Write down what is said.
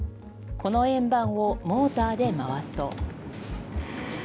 この円盤をモーターで回すと。